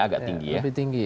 agak tinggi ya